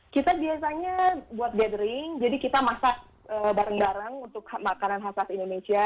kita biasanya buat gathering jadi kita masak barang barang untuk makanan khas khas indonesia